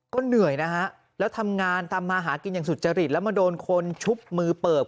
ก็เหนื่อยนะฮะแล้วทำงานทำมาหากินอย่างสุจริตแล้วมาโดนคนชุบมือเปิบ